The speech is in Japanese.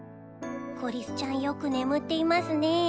コリスちゃんよく眠っていますねぇ。